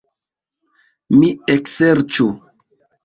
Mi ekserĉu.